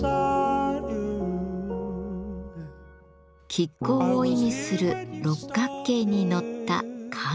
亀甲を意味する六角形に乗った亀。